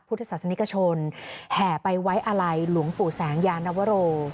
พุทธศาสนิกชนแห่ไปไว้อาลัยหลวงปู่แสงยานวโร